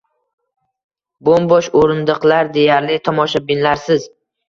Bo‘m-bo‘sh o‘rindiqlar, deyarli tomoshabinlarsiz.